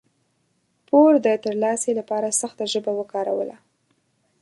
پور د ترلاسي لپاره سخته ژبه وکاروله.